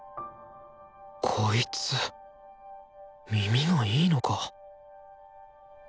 こいつ耳がいいのか？